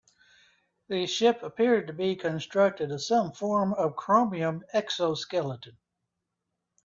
The ship appeared to be constructed with some form of chromium exoskeleton.